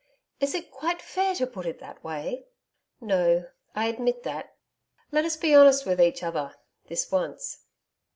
Is it quite fair to put it that way?' 'No, I admit that. Let us be honest with each other this once.'